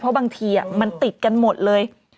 เพราะบางทีมันติดกันหมดเลย